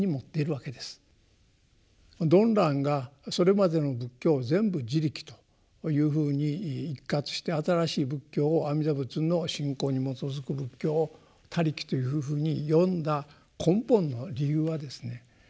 曇鸞がそれまでの仏教を全部「自力」というふうに一括して新しい仏教を阿弥陀仏の信仰に基づく仏教を「他力」というふうに呼んだ根本の理由はですね